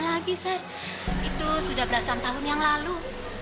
sari lagi sar itu sudah belasam tahun yang lalu